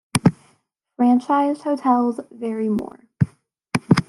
Franchised hotels vary more.